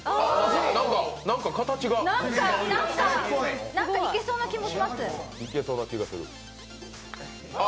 なんか形がなんかいけそうな気もします。